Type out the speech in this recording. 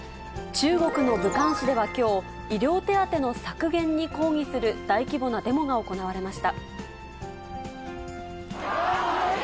中国の武漢市ではきょう、医療手当の削減に抗議する大規模なデモが行われました。